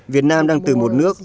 việt nam đang từ một nước